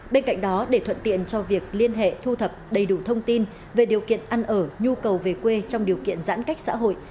bên cạnh đó để thuận tiện cho việc liên hệ thu thập đầy đủ thông tin về điều kiện ăn ở nhu cầu về quê trong điều kiện giãn cách xã hội